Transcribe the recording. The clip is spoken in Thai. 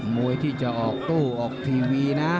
มวยที่จะออกตู้ออกทีวีนะ